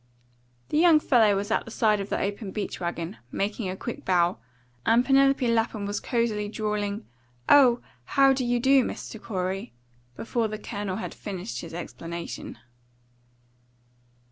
The young fellow was at the side of the open beach wagon, making a quick bow, and Penelope Lapham was cozily drawling, "Oh, how do you do, Mr. Corey?" before the Colonel had finished his explanation.